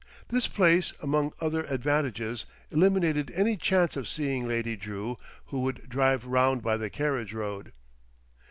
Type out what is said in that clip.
This place among other advantages eliminated any chance of seeing Lady Drew, who would drive round by the carriage road.